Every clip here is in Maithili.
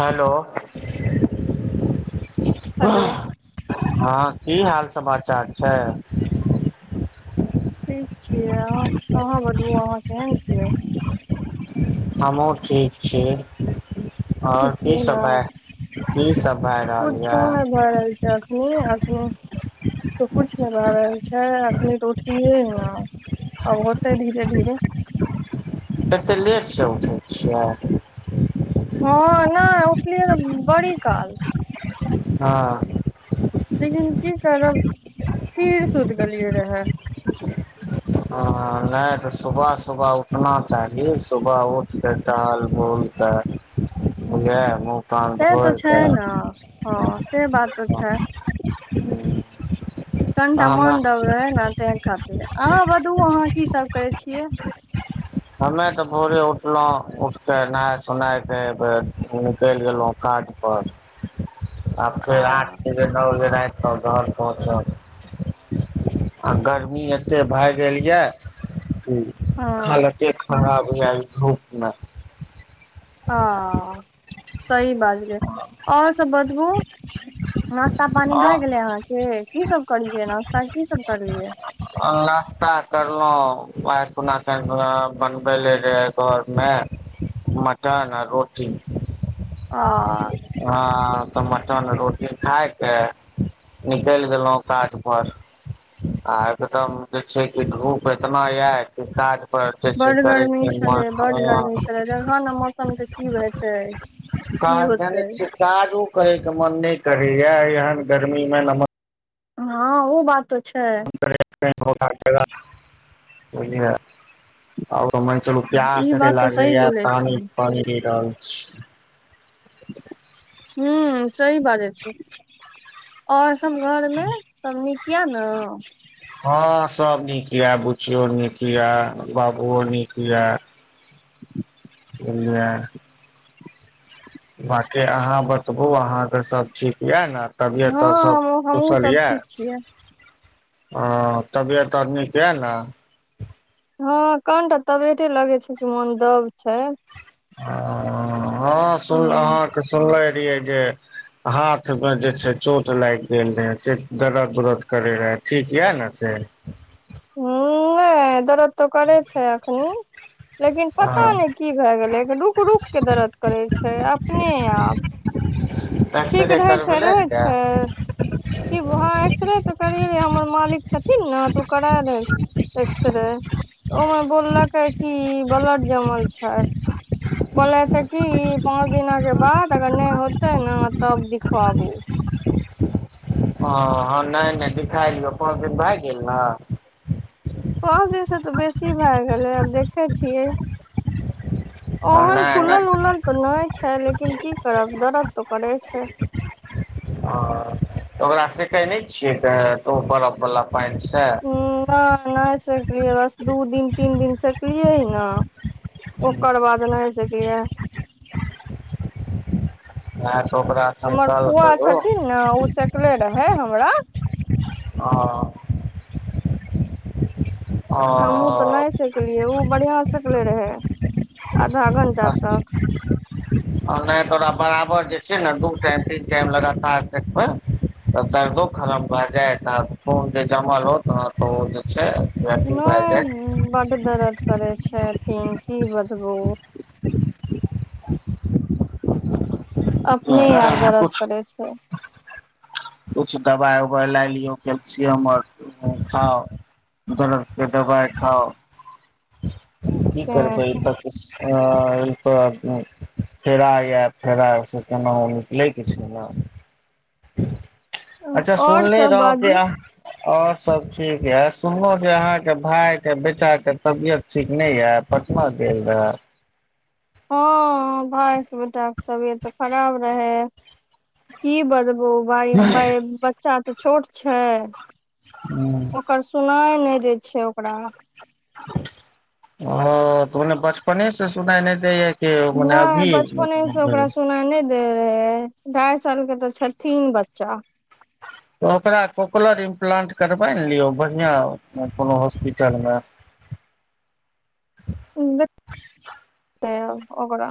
हेलो हेलो हँ की हाल समाचार छाय ठीक छियै अहाँ अहाँ बोलू अहाँ केहन छियै हमहुँ ठीक छी ठीक आओर की छियै ने सब भाय की सब भाय कुछो नै भए रहल छै एखनी अखनी तऽ कुछ नै भए रहल छै अखनी तऽ उठलियै हन न अब होतै धीेरे धीरे एते लेटसे उठै छियाय हँ नाय उठलियै तऽ बड़ी काल हँ लेकिन की करब पीर सुत गेलियै रहए ह [unintelligible] हँ नाय तऽ सुबह सुबह उठना चाही सुबह उठिके टहल बूल तऽ उएह हमहूँ तन से तो छै ने हँ से बात तो छै धइक----हूँ कनिटा मोन दब रहै ने तेहि खातिर अहाँ बतबू अहाँ की सब करै छियै हमे तऽ भोरे उठलौं उठते नहा सोना के निकलि गेलौं काज पर आ फेर आठ दिन फेर न बजे राति तऽ घर पहुँचब आ गर्मी एते भए गेल याऽ हँ हालते खराब याय धूपमे अ सही बाज य आओर बतबू नास्ता पानी आ भए गेलै अहाँ के की सब करलियै नास्ता की सब करलियै अ लास्ता करलौं [unintelligible] बनबै ले रहै तोहर मए मटन आ रोटी आ अ तऽ मटन रोटी खायके निकेल गेलो काटपर आ एकदम जे छै कि धूप एतना यऽ कि काज बड [inaudible] गर्मी छलै बड गर्मी छलै देखह ने मौसम के की हेतै की काज जाने होतै छीय काजो करे के मन नय करैया एहन गर्मी मे न हँ ओ बात तऽ छैय [inaudible] चलू ई प्यास एते बात तऽ सही लागेया बोलै छी पानी पानि [inaudible] रहल छी हू सही बाजै छीय ओर सब घर मे सब नीकये न हँ सब नीक ये बुच्चियो नीक ये बाबुओ नीक ये [unintelligible] बाँकी अहाँ बतबू अहाँके सब ठीक यऽ ने तबियत हँ अर सब हमहुँ कुशल सब ये ठीक छियै अ तबियत आर नीक य न हँ कनटा तबियते लगे छै कि मन दब छै ह हँ [unintelligible] ह सुन ह अहाँके सुनले रहियै जे हाथ मे जे छै चोट लाएग गेल रहै से दरद उरद करे रहए ठीक यए ने से [unintelligible] नय दरद तऽ करे छै एखनी लेकिन पता हँ ने की भए गेलै रूक रूक के दरद करे छै अपने आप [inaudible] ठीक एक्सरे रहै छै करबेले रहै रहियै छै कि भऽह एक्सरे तऽ करेबै हमर मालिक छथिन न त करा देत एक्स रे ओयमे बोल लके की ब्लड जमल छै बोले ते की पाँच दिना के बाद अगर नय होते ने तब दिखबू हऽ नय नय दिखायलियौ पांच दिन भए गेल न पाँच दिनसँ तऽ बेसी भए गेलै आब देखै छियै नहि ओहन नहि फूलल उलल तऽ नय छै लेकिन की करब दर्द तऽ करे छै [inaudible] आ त ओकरा सेकेय नै छियै त बरफ वाला पानी से हूं नय नय सेकलियै बस दू दिन तीन दिन सेकलियै न ओकर बाद नय सैकलिए नय तऽ ओकरा हमर सेकल फुआ करू छथिन ओ सकले रहे हमरा आ हमहुँ तऽ नय सेकलियै ओ बढ़िया सेकले रहै आधा [inaudible] घंटा तक नय तोरा बराबर जे छै ने दू [unintelligible] टाइम लगातार सेकबैय तऽ दर्दो खतम भए जायत अ खून जे जमल होत न ओ जे छै [inaudible] भए जायत नहि बड दर्द करै छैथिन कि बतबू अपने आप दर्द करै छै किछ दबाइ उबाइ लाए लियौ कैल्सियम आर खाउ दरद के दबाइ खाउ की तें करबै से त [inaudible] फेरा यए फेरासँ केना ओ निकलै के छै ने अच्छा और सुनले सब रहौं कि बाजू आहा आओर सब ठीक यऽ सुनलौं जे अहाँके भाय के बेटा के तबियत ठीक नय य पटना गेल रहे हँ भाय के बेटा के तबियत खराब रहै की बतबू भाय भाय बच्चा तऽ छोट छै हूं ओकर सुनाइ नय दय छै ओकरा ओ तोने बचपने से सुनाइ नय दैया कि मने नय अभी बचपने से ओकरा भेल। सुनाय नय रहे ढाइ साल के तऽ छथिन बच्चा त ओकरा कोकलर इम्प्लंट करबाय न लियौ बढ़िआं कोनो हॉस्पिटल मे ओकरा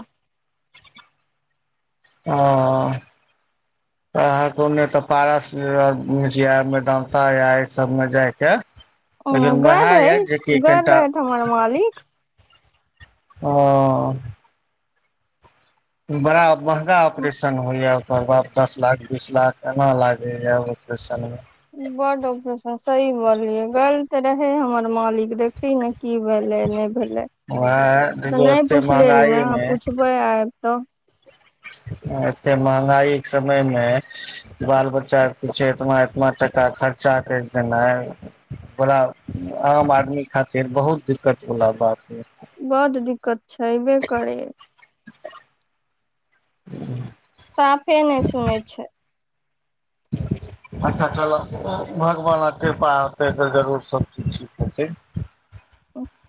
अऽ ह को ने त पारस मेदानता या इ सब मे जाय के लेकिन उएह गेल रहे यए जेकि कनि गेल टा रहैत हमर मालिक हं बड़ा महंगा ऑपरेशन होइया ओकरबाप दस लाख बीस लाख एना लागैया ऑपरेशन मे बड डॉक्टर सही बोलियै गलत रहै तऽ हमर मालिक देखीयौ ने की भेलै नय भेलै वएह तऽ देखियौ नय एते पुछलियै महंगाई ने मे पुछबै आब तऽ आ एते महंगाई के समय मे बाल बच्चा किछ एतना इतना टाका खर्चा करि देनाइ बड़ा आम आदमी खातिर बहुत दिक्कत वला बात अई बड दिक्कत छैइबे करै ह साफे नय सुनै छै अच्छा चलऽ भगवानक कृपा हेतै तऽ जरूर सबचीज ठीक हेतैे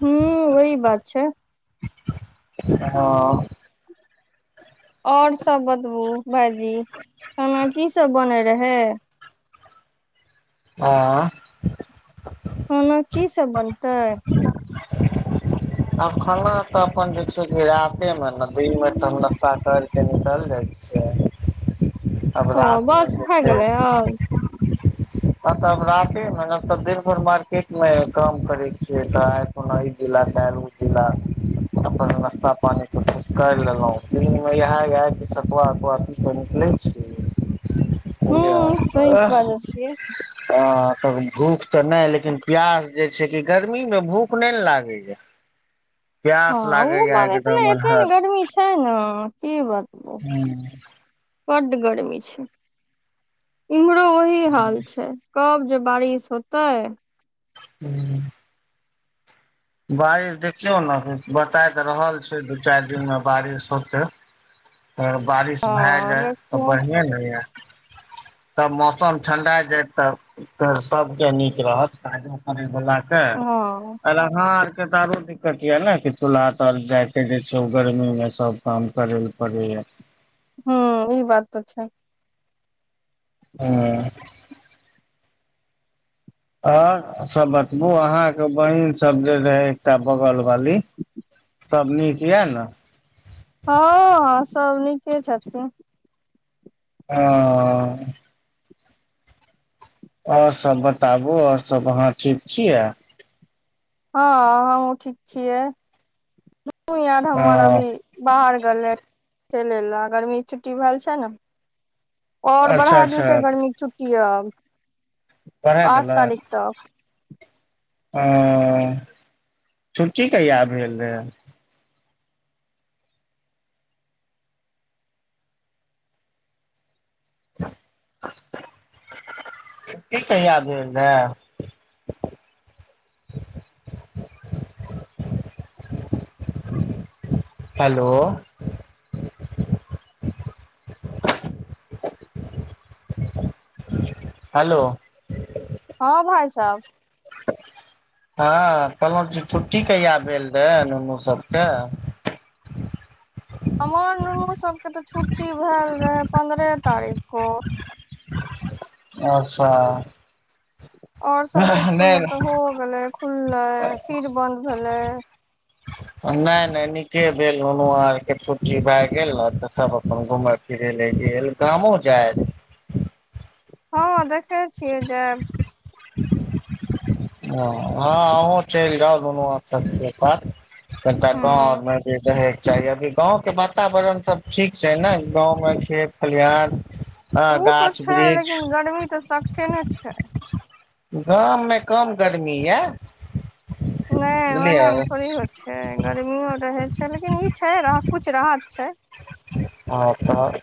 हूं वहि बात छै हँ आओर सब बतबू भाइजी खाना की सब बनै रहै एं कोनो की सब बनतै [unintelligible] आब खाना तऽ अपन जे छै कि राते मे ने दिन मे त हम नाश्ता करिके निकलि जाइ छी तब ओ रात मे बस जे भए छै गेलै आब हँ तऽब राते मे न तब दिन भर मार्केट मे काम करै से तऽ ए कोनो ई जिला काल्हि ओ जिला अपन नाश्ता पानी कोश कर लेलहुँं दिन मे इहे इहे सतुआ पिस कऽ निकलै छी बुझलियै हूँ सही आ बाजै छियै आ तऽ भूख तऽ नय लेकिन प्यास जे छै कि गर्मी मे भूख नय ने लागैया हँ प्यास ओ लागैया बात एतना एकदम एते ने अन्हद गर्मी छै न की बतबू हुँ बड्ड गर्मी छै इम्हरो वही हाल छै कब जे बारिश होतै हुँ बारिश देखियौ न कि बताय तऽ रहल छै दू चारि दिनमे बारिश होतै तऽ बारिश हँ भए जाय देखू तऽ बढ़िएँ ने ये तब मौसम ठण्डा जायत तब तऽ सभके नीक रहत ताजा करय वलाके हँ अहाँ आर के तऽ आरो दिक्कत ये ने की चूल्हा तर जाय के जे छै गर्मी मे सब काम करै ले पड़ैये हँ ई बात तऽ छै हँ आओर सब बतबू अहाँके बहिन सब जे रहै एकटा बगल वाली सब नीक ये न हँ सब नीके छथिन हँ आओर सब बताबु आओर सब अहाँ ठीक छियै हँ हमहुँ ठीक छियै नुन्नु यार हमर ह अभी बाहर गेलै खेलै लए गर्मी छुट्टी भेल छै ने आओर बढ़ा अच्छा अच्छा देलकै गर्मीक छुट्टी आब बढ़ै देलक ओ छुट्टी कहिया भेल रहै छुट्टी कहिया भेल रहै हेलो हेलो हँ भाइ साब [inaudible] हँ कहलौं की छुट्टी कहिया भेल रहै नुन्नू सबके [inaudible] हमर नुनू सबके तऽ छुट्टी भेल रहै पंन्द्रह तारीख को अच्छा आओर सबके स्सकुल मे नहि तऽ हो गेलै खुललै फिर बंद भेले नय नय नीके भेल नुनू आरके छुट्टी भए गेल न तऽ सभ अपन घुमैय फिरै ले गेल गामो जाइत हँ देखै छियै जैब ओ हँ अहुँ चलि जाउ नुनूआं सबके साथ कनिटा गाँव हूँ आर मे जे रहै। चाही अभी गाँवके वातावरण सभ ठीक छै ने गाँवमे खेत खलिहान हँ उ तो गाछ छै वृक्ष लेकिन गर्मी तऽ सगठे ने छै गाममे कम गर्मी ये नय बुझलियै ओना मे थोरही होत छै गर्मियो रहै छै लेकिन ई छै कुछ राहत छै आओर तऽ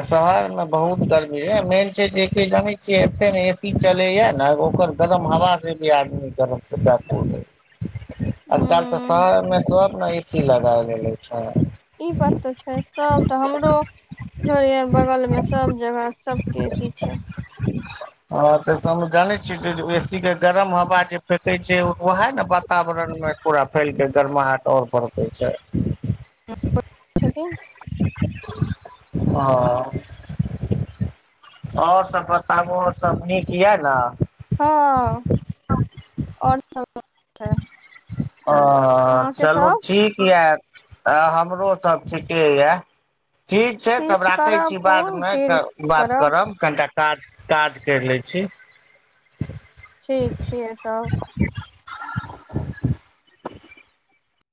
आ शहर मे बहुत गर्मी अय मेन छै जेकी जानै छियै एत्ते ने एस ए सी चलैया ने ओकर गरम हवा से भी आदमी के मोन व्याकुल अय आजकल तऽ हूँ शहर मे सब ने ए सी लगाय गेले छै ई बात तऽ छै सबटाऽ हमरो घरी आर बगल मे सब जगह सबके ए सी छै ह त सब जाने छीयै एसी के गरम हवा जे फेेकै छै उएह ने वाता वरण मे पूरा फलिके गरमाहट आओर बड़बै छै से हँ आओर सब बताबू आओर सब नीक यऽ न हँ आओर सब ओ चलू ठीक यऽ हमरोसभ ठीके यऽ ठीक छै फिर तब राखै करब छी बाद फोन मे फेर तऽ बात करब कनिटा काज काज करि लै छी ठीक छियै सब [unintelligible] [unintelligible]